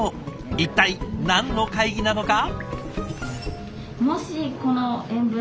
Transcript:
一体何の会議なのか？